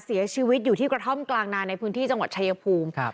เสียชีวิตอยู่ที่กระท่อมกลางนาในพื้นที่จังหวัดชายภูมิ